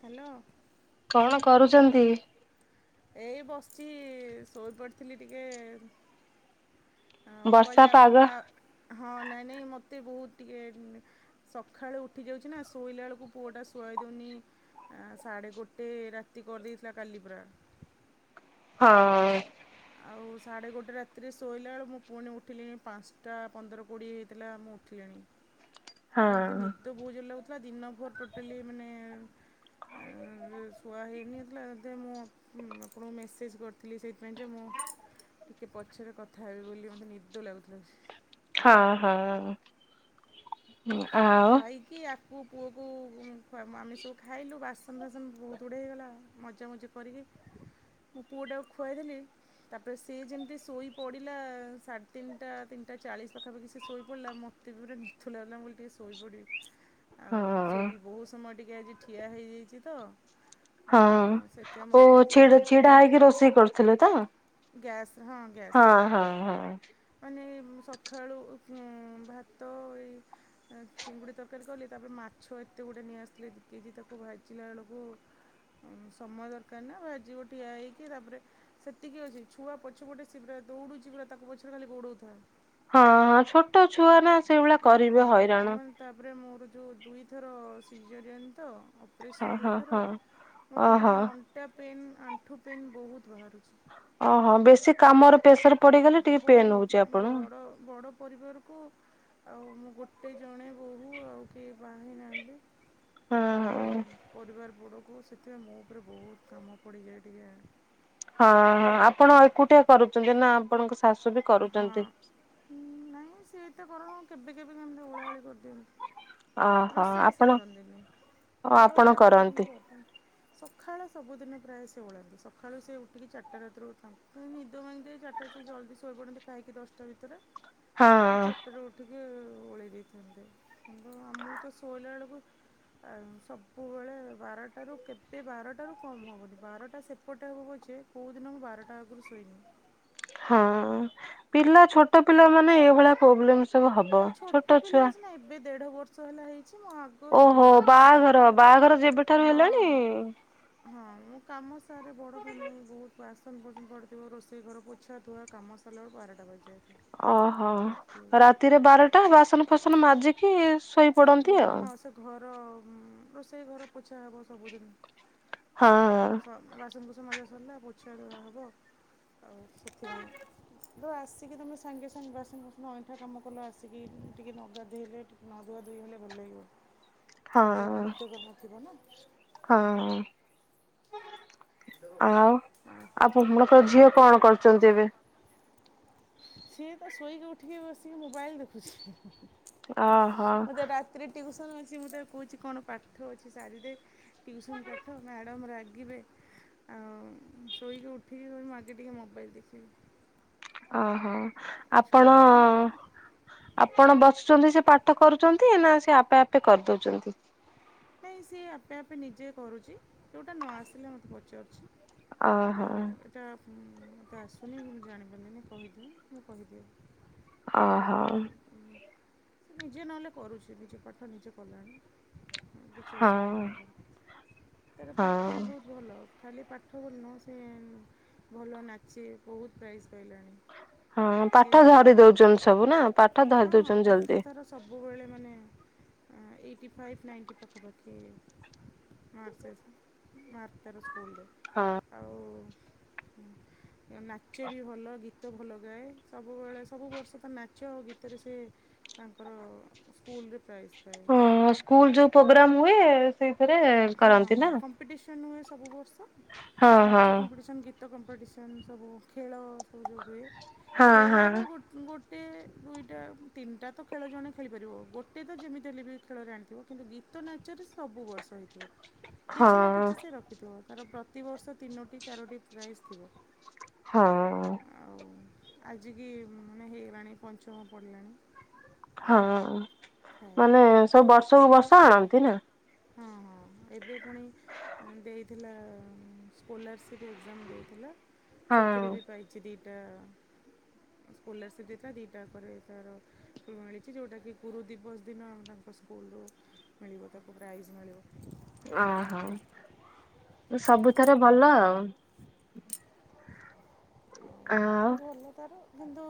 Hello. କଣ କରୁଛନ୍ତି? ଏଇ ବସିଚି ଶୋଇ ପଡ଼ିଥିଲି ଟିକେ। ଆ ମୁଁ କହିଲି ବର୍ଷା ପାଗ ଆପଣ ଆ ହଁ ନାଇଁ ନାଇଁ ମତେ ବୋହୁତ ଟିକେ ସଖାଳୁ ଉଠି ଯାଉଛି ନା ଶୋଇଲା ବେଳକୁ ପୁଅଟା ଶୁଆଇ ଦେଉନି। ଆ ସାଢ଼େ ଗୋଟେ ରାତି କରିଦେଇଥିଲା କାଲି ପୁରା। ହ। ଆଉ ସାଢ଼େ ଗୋଟେ ରାତିରେ ଶୋଇଲା ବେଳେ ମୁଁ ପୁଣି ଉଠିଲିଣି ପାଞ୍ଚଟା ପନ୍ଦର କୋଡ଼ିଏ ହେଇଥିଲା ମୁଁ ଉଠିଲିଣି। ଆ ମତେ ହଁ। ନିଦ ବହୁତ ଜୋର ଲାଗୁଥିଲା ଦିନ ଭର ଟୋଟାଲି ମାନେ ଆ ଶୁଆ ହେଇନିଥିଲା ଏଥି ମୁଁ ଆପଣଙ୍କୁ ମେସେଜ କରିଥିଲି ସେଇଥିପାଇଁ। ଯେ ମୁଁ ଟିକିଏ ପଛରେ କଥା ହେବି ବୋଲି ମୋତେ ନିଦ ଲାଗୁଥିଲା। ହଁ ହଁ ଆଉ କି ଆକୁ ପୁଅକୁ ଆମେ ସବୁ ଖାଇଲୁ ବାସନ ଫାସନ ବୋହୁତୁ ଗୁଡ଼ା ହେଇଗଲା। ମଜାମଜି କରିକି ମୁଁ ପୁଅଟାକୁ ଖୁଆଇଦେଲି। ତାପରେ ସିଏ ଯେମିତି ଶୋଇ ପଡ଼ିଲା ସାଢ଼େ ତିନିଟା ତିନିଟା ଚାଳିଶ ପାଖାପାଖି ସେ ଶୋଇ ପଡ଼ିଲା ମୋ ତେ ବି ପୁରା ନିଦ ଲାଗୁଥିଲା ମୁ କହିଲି ଟିକେ ସୋ ଶୋଇପଡ଼ି ଆଉ ହଁ। ଶୋଇଥିଲି ବହୁତ ସମୟ ଟିକେ ଆଜି ଠିଆ ହେଇଯାଇଛି ତ। ହଁ, ଆଉ ସେଥିପାଇଁ ଓ ମୋର ଗୋଟେ ଛିଡ଼ା ଆଣ୍ଠୁ ଛିଡ଼ା ବି ହେଇକି ରୋଷେଇ କରୁଥିଲେ ତ? ଗ୍ୟାସ୍ ହଁ ଗ୍ୟାସ୍ ରେ। ଓହୋ। ମାନେ ସଖାଳୁ ଭାତ ଏଇ ଏ ଚିଙ୍ଗୁଡ଼ି ତରକାରୀ କଲି, ତାପରେ ମାଛ ଏତେ ଗୁଡ଼େ ନେଇଆସିଥିଲେ ଦି କେଜି ତାକୁ ଭାଜିଲା ବେଳକୁ ସମୟ ଦରକାର ନା, ଭାଜିବ ଠିଆ ହେଇକି ତାପରେ ସେତିକି ଅଛି ଛୁଆ ପଛ ପଟେ ସେ ପୁରା ଦୌଡ଼ୁଛି ପୁରା ତାକୁ ପଛରେ ଖାଲି ଗୋଡ଼ଉଥା। ହଁ, ହଁ ଛୋଟ ଛୁଆ ନା ସେଇଭଳିଆ କରିବେ ହଁ ହଇରାଣ। ମାନେ ତାପରେ ମୋର ଯୋଉ ଦୁଇଥର ସିଜରିଆନ୍ ତ। ହଁ ଅପରେସନ୍ ହଁ ଦୁଇଥର ହଁ। ମୋତେ ଓହୋ ଟିକିଏ ଅଣ୍ଟା ପେନ୍ ଆଣ୍ଠୁ ପେନ୍ ବୋହୁତ ବାହାରୁଚି। ଓହୋ, ବେଶୀ କାମର ପ୍ରେସର ପଡ଼ିଗଲେ ଟିକେ ପେନ୍ ବହୁତ ହଉଛି ଆପଣ। ବଡ଼ ବଡ଼ ପରିବାରକୁ ଆଉ ମୁଁ ଗୋଟେ ଜଣେ ବୋହୂ ଆଉ କିଏ ବାହାହେଇ ନାହାନ୍ତି। ହଁ ଆଉ ହଁ ପରିବାର ବଡ଼କୁ ସେଥିପାଇଁ ମୋ ଓପରେ ବହୁତ କାମ ପଡ଼ିଯାଏ ଟିକେ। ହଁ ହଁ ଆପଣ ଏକୁଟିଆ କରୁଚନ୍ତି ନା ଆପଣଙ୍କ ଶାଶୁ ବି ହଁ, କରୁଛନ୍ତି? ନାଇଁ ସେ ଏତେ କର କେବେ କେବେ କେମିତି ଓଳାଓଳି କରିଦିଅନ୍ତି। ଓହୋ ରୋଷେଇବାଷ ଆପଣ କରନ୍ତିନି ଓ ଓଳା ଓଳି ଆପଣ କେତେବେଳେ କରନ୍ତି କେମିତି କରିଦିଅନ୍ତି। ସଖାଳ ସବୁଦିନ ପ୍ରାୟ ସେ ଓଳାନ୍ତି ସଖାଳୁ ସେ ଉଠିକି ଚାରିଟା ରାତିରୁ ତାଙ୍କ ନିଦ ଭାଙ୍ଗିଯାଏ ଚାର ଟା ସେ ଜଲଦି ଶୋଇ ପଡ଼ନ୍ତି ଖାଇକି ଦଶଟା ଭିତରେ ସେ ହଁ ଚାରିଟାରୁ ଉ ଟିକି ଓଳେଇ ଦେଇଥାନ୍ତି କିନ୍ତୁ ଆ ମୁଁ ତ ଶୋଇଲା ବେଳକୁ ଆଉ ସବୁବେଳେ ବାରଟାରୁ କେବେ ବାରଟାରୁ କମ୍ ହବନି ବାରଟା ସେ ପଟେ ହେବ ପଛେ, କୋଉଦିନ ମୁଁ ବାରଟା ଆଗରୁ ଶୋଇନି। ହଁ ପିଲା ଛୋଟ ପିଲାମାନେ ଏଇଭଳିଆ ପୋବ୍ଲେମ୍ ନାଇ ଛୋଟ ପିଲା ସିନା ଏବେ ଦେଢ଼ ବର୍ଷ ହେଲା ହେଇଛି ମୁଁ ଆଗ କରୁବି ଓହୋ ମାନେ ଏ ଝିଅ ବାହାଘର ଟା, ବାହାଘର ଯେବେଠାରୁ ହେଲାଣି ହଁ। ହଁ ମୁଁ କାମ ସାରେ ବଡ଼ ଫ୍ୟାମିଲି ବହୁତ ବାସନ କୁସନ ପଡିଥିବ ରୋଷେଇ ଘର ପୋଛା ଧୂଆ କାମ ସରିଲା ବେଳକୁ ବାରଟା ବାଜି ଯାଏ। ଓହୋ ରାତିରେ ବାରଟା ବାସନ କୁସନ ମାଜିକି ଶୋଇ ପଡନ୍ତି ଆଉ। ହଁ ସେ ଘର ରୋଷେଇ ଘର ପୋଛା ହବ ସବୁଦିନେ। ଆଉ ହଁ ସ ଵାସନକୁୁସନ ମଜା ସରିଲା ପୋଛା ହ ହବ ଆଉ ସେଥିପାଇଁ। ଠିକି ଆସିକି ତମେ ସାଙ୍ଗେ ସାଙ୍ଗେ ବାସନ କୁସନ ଅଇଁଠା କାମ କଲ ଆସିକି ଟିକେ ନଗାଧେଇଲେ ଟିକେ ନ ଧୁଆ ଧୋଇ ହେଲେ ଭଲ ଲାଗିବ। ହଁ, ନିଜର ନିତ୍ୟକର୍ମ ଥିବ ନା ହଁ। ଆଉ ଆଉ ଆପଣଙ୍କର ଝିଅ କଣ କରୁଚନ୍ତି ଏବେ? ସିଏ ତ ଶୋଇକି ଉଠିକି ବସିକି ମୋବାଇଲ୍ ଦେଖୁଛି। ଅ ହୋ। ମୋତେ ରାତିରେ ଟ୍ୟୁସନ୍ ଅଛି ମୁଁ ତାକୁ କହୁଛି କଣ ପାଠ ଅଛି ସାରିଦେ। ଟ୍ୟୁସନ୍ ପାଠ ମ୍ୟାଡ଼ମ୍ ରାଗିବେ। ଆଉ ଶୋଇକି ଉଠିକି କହିବ ମୁଁ ଆଗେ ଟିକେ ମୋବାଇଲ୍ ଦେଖିବି। ଓହୋ, ଆପଣ ଛୋଟ ପିଲା ନା ଆପଣ ବସୁଚନ୍ତି ସେ ପାଠ କରୁଚନ୍ତି ନା ସେ ଆପେ ଆପେ କରିଦଉଛନ୍ତି? ନାଇଁ, ସିଏ ଆପେ ଆପେ ନିଜେ କରୁଚି ଯେଉଟା ନ ଆସିଲେ ମୋତେ ପଚାରୁଚି। ଓହୋ ଆଉ ଏଟା ହୁଁ ମତେ ଆସୁନି କି ମୁଁ ଜାଣିପାରିଲିନି କହିଦିଅ ମୁଁ କରିଦେଏ। ଅହୋ। ନିଜେ ନହେଲେ କରୁଛି ନିଜ ପାଠ ନିଜେ କଲାଣି। କିଛି ହଁ ଅସୁବିଧା ନାହିଁ ତ ତାର ପାଠ ବି ହଁ। ବହୁତ ଭଲ ଖାଲି ପାଠ ଭଲ ନୁହଁ ସେ ଭଲ ନାଚେ ବହୁତ ପ୍ରାଇଜ୍ ପାଇଲାଣି। ହଁ ନାଚେ ପାଠ ଭଲ ଧରି ଦଉଛନ୍ତି ସବୁ ନା ପାଠ ଧରି ହଁ ହଁ ଦଉଛନ୍ତି ଜଲ୍ଦି ପାଠ ତାର ସବୁବେଳେ ମାନେ ଏଁ ଏଇଟି ଫାଇଭ୍ ନାଇଣ୍ଟି ପଖାପଖି ମାର୍ଚ ମାର୍ତାର ସ୍କୁଲ ରେ। ହଁ। ଆଉ ନାଚେ ବି ଭଲ ଗୀ ଗୀତ ଭଲ ଗାଏ ସବୁବେଳେ ସବୁ ବର୍ଷ ତ ନାଚ ଆ ଗୀତରେ ସେ ତାଙ୍କର ସ୍କୁଲରେ ପ୍ରାଇଜ୍। ପାଏ ହଁ ସ୍କୁଲ ଯୋଉ ପ୍ରୋଗ୍ରାମ ହୁଏ ସେଇଥିରେ। ହଁ କରନ୍ତି ହଁ ନା କମ୍ପିଟିସନ ହୁଏ ସବୁ ବର୍ଷ ହଁ ହଁ। ନାଚ କମ୍ପିଟିସନ୍ ଗୀ ତ କମ୍ପିଟିସନ୍ ସବୁ ଖେଳ ସବୁଯୋଉ ହୁଏ ହଁ ଖେଳରେ ହଁ ଗୋ ଗୋଟେ ଦୁଇଟା ତିନିଟା ତ ଖେଳ ଜଣେ ଖେଳିପାରିବ ଗୋଟେ ତ ଯେମିତି ହେଲେ ବି ଖେଳରେ ଆଣିଥିବ। କିନ୍ତୁ ଗୀତ ନାଚରେ ସବୁ ବର୍ଷ ହେଇଥିବ କିଛି ନା ହଁ କିଛି ସେ ର ରଖିଥିବ ତାର ପ୍ରତିବର୍ଷ ତିନୋଟି ଚାରଟି ପ୍ରାଇଜ୍ ଥିବ। ହଁ। ଆଉ ଆଜିକି ମାନେ ହେଇଗଲାଣି ପଞ୍ଚମ ପଡ଼ିଲାଣି। ହଁ ଥାଏ ମାନେ ସବୁ ବର୍ଷକୁ ବର୍ଷ ଆଣନ୍ତି ନା। ହଁ ହଁ ଏବେ ପୁଣି। ଦେଇଥିଲା ସ୍କୁଲାରସିପ୍ ଏକ୍ଜାମ ଦେଇଥିଲା ସେଥିରେ ହଁ ବି ପାଇ ଛି ଦିଟା। ସ୍କଲାରସିପ୍ ଦେଇଥିଲା ଦୁଇଟା ଙ୍କରେ ତାର ମିଳିଛି ଯେଉଟାକି ଗୁରୁ ଦିବସ ଦିନ ତାଙ୍କ ସ୍ ସ୍କୁଲୁ ରୁ ମିଳିବ ତାକୁ ପ୍ରାଇଜ୍ ମିଳିବ। ଆହା ସବୁଥରେ ଭଲ ଆଉ। ଆଉ ପାଠ ଭଲ ତାର କିନ୍ତୁ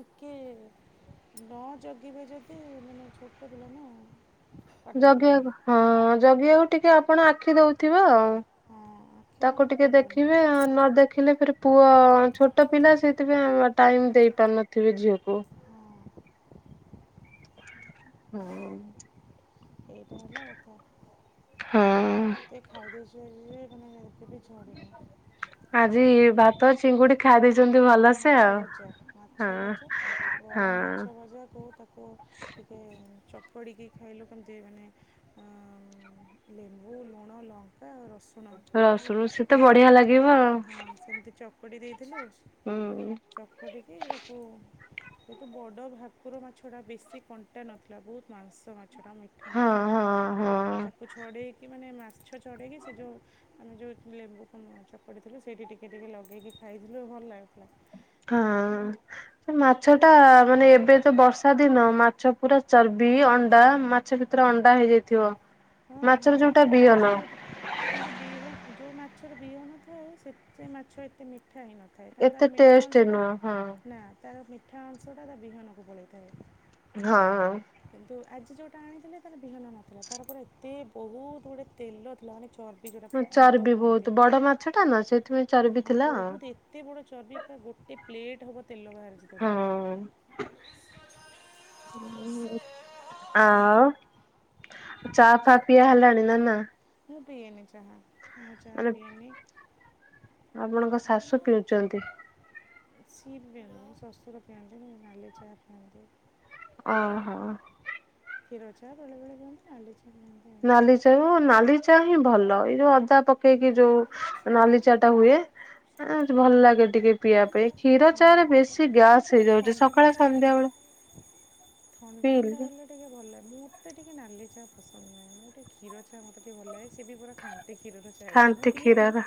ଟିକେ ନ ଜଗିବେ ଯଦି ମାନେ ଛୋଟ ଥିଲା ନା। ପାଠ ପଢ଼ିବନି ଜଗିବାକୁ ହଁ ଜଗିବାକୁ ଟିକେ ଆପଣ ଆଖି ଦଉଥିବ ଆଉ। ହଁ ଆଖି ତାକୁ ନଦେଲେ ଟିକେ ପଢ଼ିବନି ଦେଖିବେ ଆଉ ନ ଦେଖିଲେ ଫେର୍ ପୁଅ ଛୋଟ ପିଲା ସେଇଥିପାଇଁ ଟାଇମ ଦେଇ ପାରୁିନଥିବେ ଝିଅକୁ। ହଁ। ହଁ। ଏଇଟା ହେଲା କଥା ହଁ ଆଉ ଏତେ ଖାଇଦେଇଛୁ ଆଜି ଯେ ମାନେ ଏତେ ବି ଛାଡୁନି ଆଜି ଭାତ ଅଛି ଚିଙ୍ଗୁଡି ଖାଇ ଦେଇେଇଛନ୍ତି ଭଲସେ ମାଛ ଆଉ ଭଜା ହଁ ହଁ। ମଜା କୁ ତାକୁ ଟିକେ ଚକଡ଼ିକି ଖାଇଲୁ କେମିତି ମାନେ ଏ ଲେମ୍ବୁ ଲୁଣ ଲଙ୍କା ରସୁ ରସରୁ ସେ ତ ବଢିଆ ଲାଗିବ ଆଉ। ହଁ ସେମିତି ଚକୁଡ଼ି ଦେଇଥିଲୁ। ହୁଁ। ଚକଟିକି ତାକୁ କେତୁ ବଡ ଭାକୁର ମାଛ ଟା ବେଶୀ କଣ୍ଟା ନଥିଲା ବହୁତ ମାଂସ ମା ମାଛ ଟା ମିଠା ହଁ ମାଛ ଟା ହଁ ହଁ ତାକୁ ଛଡେଇକି ମାନେ ମାଛ ଚଢେଇକି ସେ ଯୋଉ ଆମେ ଯେଉଁ ଲେମ୍ବୁ କୁ ଚକଟିଥିଲୁ ସେଇଠି ଟିକେ ଟିକେ ଲଗକି ଖାଇଥିଲୁ ଭଲ ଲାଗୁଥିଲା। ହୁଁ। ହଁ। ସେ ମାଛ ଟା ମାନେ ଏବେ ତ ବର୍ଷା ଦିନ ମାଛ ପୁରା ଚର୍ବି ଅଣ୍ଡା ମା ମାଛ ଭିତରେ ଅଣ୍ଡା ହେଇଯାଇଥିବ। ହୁଁ ହୁଁ ମାଛର ଯୋଉଟା ସେ କିନ୍ତୁ ବିହନ ଆଜି ଯୋଉଟା କିନ୍ତୁ ବିହ ଯେଉଁ ମାଛର ବିହନଥାଏ ସେତେ ମାଛ ଏତେ ମିଠା ହେଇନଥାଏ। ଥାଏ ତାହାଲେ ଏତେ ତାର ମିଠା ଟେଷ୍ଟ ଅଂଶଟା ନୁହଁ ହଁ ନା ତାର ମିଠା ଅଂଶଟା ତା ବିହନକୁ ପଳେଇଥାଏ। ହଁ ହଁ। କିନ୍ତୁ ଆଜି ଯୋଉଟା ଆଣିଥିଲେ ତାର ବିହନ ନଥିଲା ତାର ପୁରା ଏ ତି ବହୁତ ଗୁଡ଼େ ତେଲ ଥିଲା ମାନେ ଚ ଚର୍ବି ଯୋଉଟାକୁ ଅନ୍ତ ଚର୍ବି ବହୁତ କୁହନ୍ତି। ବଡ ମାଛ ଟା ନା ସେଥିପାଇଁ ଚର୍ବି ହ ଥିଲା ଆଉ ବହୁତ୍ ଏତେ ଏତେ ବଡ଼ ଚର୍ବି ପା ଗୋଟେ ପ୍ଲେଟ୍ ହେବ ତେଲ ବାହାରିଛି ତାଧିରୁ। ହଁ। ଆଉ ଚା ଫା ପିଆ ହେଲାଣି ନା ନା? ମୁ ପିଏନି ଚାହା ମୁଁ ଚାହା ମାନେ ପିଏନି। ଆପଣଙ୍କ ଶାଶୁ ହ୍ୟାଲୋ। ପିଉଛନ୍ତି। ସିଏ ପିଅନ୍ତିନି ମୋ ଶଶୁର ପିଅନ୍ତିନି ନାଲି ଚାହା ପିଅନ୍ତି। ଓହୋ। କ୍ଷୀର ଚା ବେଳେବେଳେ ପିଅନ୍ତୁ ନାଲି ଚା ପିଅନ୍ତି। ଆଉ। ନାଲି ଚା ହ ନାଲି ଚା ହିଁ ଭଲ ଏଇ ଯୋଉ ଅଦା ପ ପକେଇକି ଭଲରେ ଯୋଉ ଶୁଭା ନାଲି ଯାଉନି ଚାହା ଟା କଣ ହୁଏ। ହଉଚି? ଆ ଭଲ ଲାଗେ ଟିକେ ପିଇବା ପାଇଁ କ୍ଷୀର ଚା ହଁ ରେ ଏତେ ବେଶୀ ଏତେ ଗ୍ୟାସ ହେଇଯାଉଛି ଥଣ୍ଡା ସକାଳେ ଫଣ୍ଡା ହେଲେ ସନ୍ଧ୍ୟା ବେଳେ। ଥଣ୍ଡା ଫଣ୍ଡା ପିଇଲି ହେଲେ ଟିକେ ଭଲ ଲାଗେ ମୋତେ ଟିକେ ନାଲି ଚା ପସନ୍ଦ ନୁହେଁ ମୁଁ ଟିକେ କ୍ଷୀର ଚା ମତେ ଟିକେ ଭଲ ଲାଗେ ସିଏବି ପୁରା ଖାଣ୍ଟି କ୍ଷୀରରେ ଯାହେଇଥିବ ମୁଁ ଖାଣ୍ଟି ପିଏନି କ୍ଷୀରର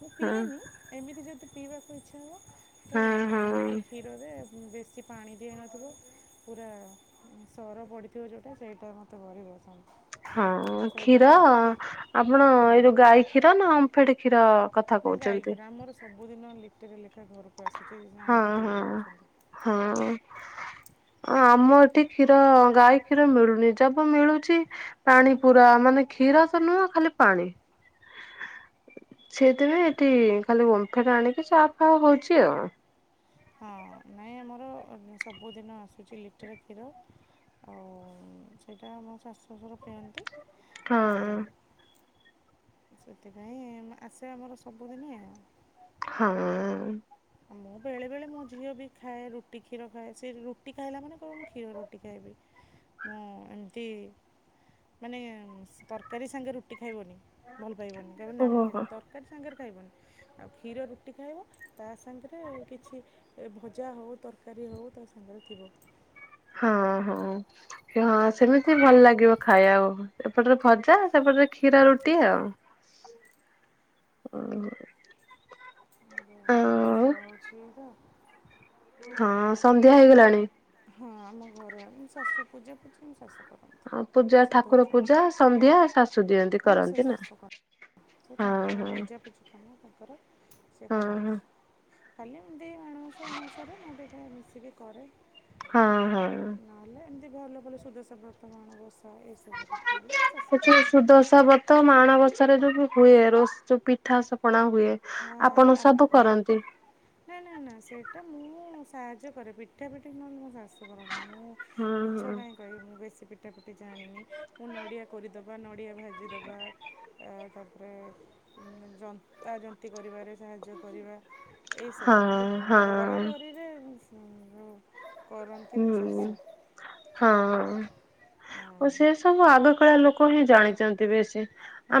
ମୁଁ ହଁ ପିଏନି ଏମିତି ଯଦି ପିଇବାକୁ ଇଚ୍ଛା ହେବ ତ ହଁ ହଁ। ଖାଣ୍ଟି କ୍ଷୀରରେ ବେଶୀ ପାଣି ଦିଆହେଇନଥିବ ପୁରା ସର ପଡ଼ିଥିବ ଯୋଉଟା ସେଇଟା ମୋତେ ଭାରି ପସନ୍ଦ। ହଁ ସେଇଟା କ୍ଷୀର କଫି ଆପଣ ଏଇ ଯୋଉ ଗାଈ କ୍ଷୀର ନା ଓମ୍ଫେଡ କ୍ଷୀର କଥା ନା ଗାଈ କହୁଛନ୍ତି? କ୍ଷୀର ଆମର ସବୁ ଦିନ ଲିଟରେ ଲେଖା ଘରକୁ ଆସୁଛି ଆଣିକି ହଁ ହଁ ଦେଇଯାଉଛନ୍ତି ହଁ। ଆମ ଏଠି କ୍ଷୀର ଗାଈ କ୍ଷୀର ମିଳୁନି ଯବ ମିଳୁଛି ପାଣି ପୁରା ମାନେ କ୍ଷୀର ତ ନୁହଁ ଖାଲି ପାଣି। ସେଇଥିପାଇଁ ଏଠି ଖାଲି ଓମ୍ଫେଡ ଆଣିକି ଚା ଫା ହଉଛି ଆଉ। ହଁ ନାଇଁ ଆମର ସବୁଦିନ ଆସୁଛି ଲିଟରେ କ୍ଷୀର ଆଉ ସେଇଟା ମୋ ଶାଶୁ ଶଶୁର ପିଅନ୍ତି। ଆଉ ହଁ। ସେଥିପାଇଁ ମା ଆସେ ଆମର ସବୁଦିନେ ଆଉ। ହଁ। ମୁଁ ବେଳେବେଳେ ମୋ ଝିଅ ବି ଖାଏ ରୁଟି କ୍ଷୀର ଖାଏ ସେ ରୁଟି ଖାଇଲା ମାନେ କହିବ ମୁଁ କ୍ଷୀର ରୁଟି ଖାଇବି। ମୁଁ ଏମିତି ମାନେ ସ ତରକାରୀ ସାଙ୍ଗେ ରୁଟି ଖାଇବନି ଭଲ ପାଇବନି କହିବ ନା ମୁଁ ଓହୋ ହୋ। ଖାଇବିନି ତର ତରକାରି ସାଙ୍ଗରେ ଖାଇବନି ଆଉ କ୍ଷୀର ରୁଟି ଖାଇବ ତା ସାଙ୍ଗରେ କିଛି ଏ ଭଜା ହେଉ ତରକାରୀ ହେଉ ତା ସାଙ୍ଗରେ ଥିବ। ହଁ ହଁ ହଁ ସେମିତି ଭଲ ଲାଗିବ ଖାଇବାକୁ। ଏପଟରେ ଭଜା ସେପଟରେ କ୍ଷୀର ରୁଟି ଆଉ। ଅଁ ହଁ। ଏ ଯଉ ଧୂପ ଦିଆ ହଉଛି ଏବେ। ହଁ ସନ୍ଧ୍ୟା ହେଇଗଲାଣି। ହଁ ଆମ ଘର ଆଣି ଶାଶୁ ପୂଜା ପୂଜି ମୋ ଶାଶୁ କରନ୍ତି। ହଁ ପୂଜା ସିଏ ଠାକୁର ଧଉଛନ୍ତି ପୂଜା ସନ୍ଧ୍ୟା ଶାଶୁ ଦିଅନ୍ତି ହଁ ସେ କରନ୍ତି ନା? ଶାଶୁ କରନ୍ତି ସେ ତାଙ୍କ ହଁ ହଁ। ପୂଜାପୂଜି କାମ ତାଙ୍କର ସେ ହଁ କରନ୍ତି। ଖାଲି ଏମିତି ମାଣବସା ଓଷାରେ ମୁଁ ଟିକେ ମିଶିକି କରେ ହଁ ଆଉ ହଁ ହଁ। ଉଁ ନହେଲେ ଏମିତି ଭଲ ଭଲ ସୁଦଶା ବ୍ରତ ମାଣବସା ଏସବୁରେ ନହେଲେ ଶାଶୁ ହଉଛି କରନ୍ତି। ସୁଦଶା ବତ ତ ମାଣବଷାରେ ଯୋଉ ବି ହୁଏ ରୋଷ ଯୋଉ ପିଠାସ ପଣା ହୁଏ। ହଁ ଏଇ ଆପଣ ଆମ ସବୁ ମେନ୍ ତ କରନ୍ତି? ନା ନା ନା ସେଇଟା ମୁଁ ସାହାଯ୍ୟ କରେ ପିଠା ପିଠି ନହେଲେ ମୋ ଶାଶୁ କରନ୍ତି ମୁଁ ହଁ ମିଛ ହଁ। କାହିଁ କହିବି ମୁଁ ବେସି ପି ପିଠାପିଠି ଜାଣିନି ମୁଁ ନଡ଼ିଆ କୋରିଦେବା ନଡ଼ିଆ ଭାଜିଦେବା ଆ ତାପ ରେ ଉଁ ଯନ୍ତା ଯନ୍ତୀ କରିବାରେ ସାହାଯ୍ୟ କରିବା। ଏଇସବୁ ହଁ କିନ୍ତୁ ଉଁ ହଁ କରାକିରିରେ ଉଁ କରନ୍ତି ମୋ ହୁଁ ଶାଶୁ। ହଁ ହଁ ଓ ସେ ସବୁ ଆଗ କାଳିଆ ଲୋକ ହିଁ ଜାଣିଛନ୍ତି ବେଶୀ।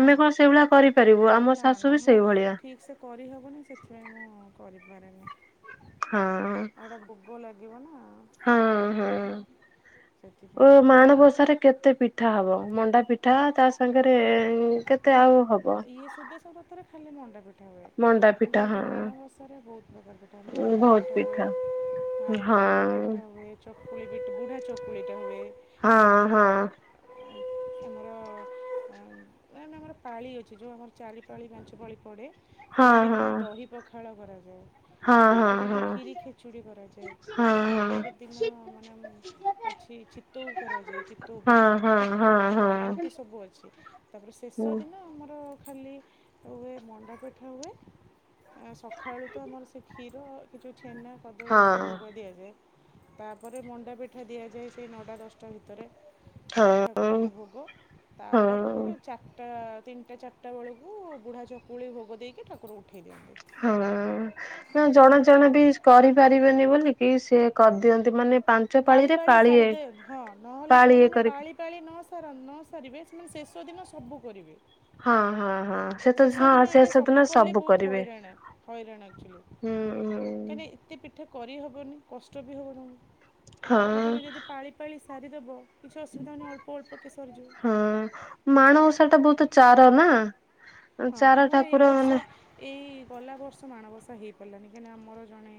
ଆମେ କଣ ସେଇଭଳିଆ କରିପାରିବୁ ଆମ ନା ନା ଶାଶୁ ବି ମୁଁ ସେଇ ଭଳିଆ। ଠିକ୍ ସେ କରିହେବନି ସେଥିପାଇଁ ମୁଁ କରିପାରେନି। ହଁ ଆଉ ଏଇଟା ଭୋଗ ଲାଗିବ ନା ହଁ ହଁ ହଁ। ଓ ସେଥିପାଇଁ ମାଣବସାରେ କେତେ ପିଠା ହବ ମଣ୍ଡା ପିଠା ତା ସାଙ୍ଗରେ କେତେ ହୁଁ ଆଉ ହବ ଇଏ ସୁଦଶା ବ୍ରତରେ ଖାଲି ମଣ୍ଡା ପି ପିଠା ହୁଏ ମଣ୍ଡା ପିଠା କିନ୍ତୁ ଏ ହଁ। ଯୋଉ ମାଣବସାରେ ବହୁତ ପ୍ରକାର ପିଠା ହୁଏ ମଣ୍ଡା ପିଠା ହୁଏ ହଁ। ଚକୁଳି ବି ବୁଢ଼ା ଚକୁଳିଟା ହୁଏ। ହଁ ତାପରେ ହଁ। ମୁ ଏ ଆମର ପାଳି ଅଛି ଯୋଉ ଆମର ଚାରି ପାଳି ପାଞ୍ଚ ପାଳି ପଡ଼େ ହଁ ଗୋଟେ ଦିନ ହଁ ଦହି ପଖାଳ କରାଯାଏ। ଗୋଟେ ଦିନ ହଁ ଖିରି ଖେଚୁଡ଼ି କରାଯାଏ ହଁ ହଁ ଆଉ ହଁ ହଁ। ଗୋଟେ ଦିନ ମାନେ ମ ଅଛି ଚିତୋଉ କରାଯାଏ ଚିତଉ ହଁ ପିଠା ହଁ ଚି ହଁ ହଁ ଏମିତି ସବୁ ଅଛି। ତାପରେ ଶେଷ ହୁଁ ଦିନ ଆମର ଖାଲି ହୁଏ ମଣ୍ଡା ପିଠା ହୁଏ। ଆ ସଖାଳୁ ତ ଆମର ସେ କ୍ଷୀର ଏ ଯୋଉ ଛେନା କଦଳୀ ଏସବୁ ହଁ ଭୋଗ ଦିଆଯାଏ। ତାପରେ ମଣ୍ଡା ପିଠା ଦିଆଯାଏ ସେ ନଅଟା ଦଶଟା ଭିତରେ ଠା ଠାକୁ ଠାକୁରଙ୍କୁ ହଁ। ଭୋଗ ହଁ ତାପରେ ଚାରିଟା ତିନିଟା ଚାରିଟା ବେଳକୁ ବୁଢ଼ା ଚକୁଳି ଭୋଗ ଦେଇକି ଠାକୁର ଉଠେଇ ଦିଅନ୍ତି। ହଁ ନା ଜଣ ହେଲା। ଜଣ ବି କରିପାରିବେନି ବୋଲିକିି ସିଏ କରିଦିଅନ୍ତି ମାନେ ପାଞ୍ଚ ପାଳି ପାଳିରେ ପାଳି ପାଳିଏ ସାରିଦେ ହଁ ନହେଲେ ପାଳିଏ ଯେଉଁମାନେ କରିକି ପାଳି ପାଳି ନ ସାର ନ ସାରିବେ ସେମାନେ ଶେଷ ଦିନ ସବୁ କରିବେ। ହଁ ହଁ ହଁ ସେ ତ ଶେଷ ହଁ ଦିନ ସେ ଏଇଟା ସେଦିନ ସବୁ କଲେ ବହୁତ କରିବେ। ହଇରାଣ ହଇରାଣ ଆକ୍ଚୁଲି। ହୁଁ ହୁଁ କାଲି ଏତେ ପିଠା କରିହବନି କଷ୍ଟ ବି ହବ ତୁମକୁ ମୁ କହିନି ହଁ ତୁମେ ଯଦି ପାଳି ପାଳି ସାରିଦେବ କିଛି ଅସୁବିଧା ହେଉନି ଅଳ୍ପ ଅଳ୍ପକେ ସରିଯିବ ହଁ ମାଣ ଓଷାଟା ବୋହୁତ ଚାର ନା? ଆ ହଁ ଚାର ଆମର ଏଇ ଠାକୁର ବର୍ଷ ନେ ଏଇ ଗଲା ବର୍ଷ ମାଣବସା ହେଇପାରିଲାନି କାହିଁକିନା ଆମର ଜଣେ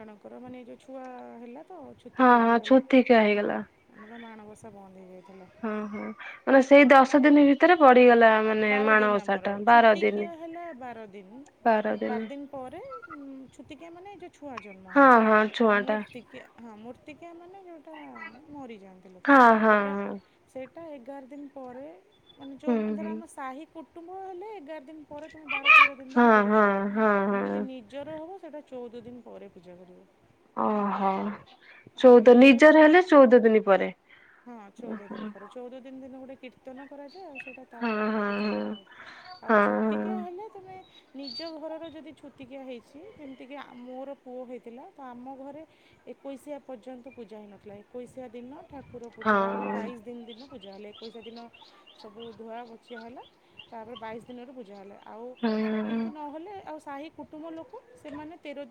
ଜଣଙ୍କର ମାନେ ଏ ଯୋଉ ଛୁଆ ହେଲା ତ ହଁ ଛୁତିକିଆ ହଁ ହେଇଗଲା। ଛୁତିକିଆ ହେଇଗଲା। ଆମର ମାଣବଷା ବନ୍ଦ ହେଇଯାଇଥିଲା। ହଁ ହଁ ମାନେ ସେଇ ଦଶ ଦିନି ଭି ତରେ ପଡ଼ିଗଲା। ମାନେ ବାର ଦିନ ମାଣବସା ଆମର ଟା ବାର ଛୁତିକିିଆ ହେଲା ବାର ଦିନ ବାର ଦିନ ପରେ ଛୁତିକିଆ ମାନେ ଏ ଯୋଉ ଛୁଆ ଜନ୍ମ ହଁ ହୁଏ ହଁ ଆଉ ଛୁଆଁ ଟା ମୂର୍ତ୍ତିକିଆ ହଁ ମୂର୍ତ୍ତିକିଆ ମାନେ ଯୋଉଟା ମରିଯାଆନ୍ତି ଲୋକ ହଁ ହଁ ସେଇଟା ହଁ ସେଇଟା ଏଗାର ଦିନ ପରେ ମାନେ ଯୋଉ ହୁଁ ମାନେ ଧର ହୁଁ। ଆମ ସାହି କୁଟୁମ୍ବ ହେଲେ ଏଗାର ଦିନ ପରେ ତୁମେ ବାର ତେର ଦିନରୁ ହଁ ପୂଜା ହଁ କରିପାରିବ ହଁ କିନ୍ତୁ ହଁ ଯଦି ନି ଜର ହବ ସେଇଟା ଚଉଦ ଦିନ ପରେ ପୂଜା କରିବ। ଓହୋ ଆଉ ଚଉଦ ଇଏର ନିଜର ହେଲେ ଚଉଦ ଦିନ ପରେ ହଁ ଚଉଦ ଦିନ ଓହୋ। ପରେ ଚଉଦ ଦିନ ଦିନ ଗୋଟେ କୀର୍ତନ କରାଯାଏ ଆଉ ସେଇଟା ହଁ ତାପରେ ହଁ ପୂଜା କରାଯାଏ। ଆଉ ହଁ ଛୁତିକା ହେଲେ ତମେ ନିଜ ଘରର ଯଦି ଛୁତିକିଆ ହେଇଛି ଯେମିତିକି ଆ ମୋର ପୁଅ ହେଇଥିଲା ତ ଆମ ଘରେ ଏକୋଇଶିଆ ପର୍ଯ୍ୟନ୍ତ ପୂଜା ହେଇନଥିଲା ଏକୋଇଶିଆ ଦିନ ଠାକୁର ହଁ ପୂଜା ହେଲେ ହଁ। ବାଇଶି ଦିନ ଦିନ ପୂଜା ହେଲେ ଏକୋଇସିଆ ଦିନ ସବୁ ଧୁଆ ଯା ହେଲା ତାପରେ ବାଇଶି ଦିନରୁ ପୂଜା ହେଲା ଆଉ ହଁ କିନ୍ତୁ ନହେଲେ ଆଉ ସାହି କୁଟୁମ୍ବ ଲୋକ ସେମାନେ ତେର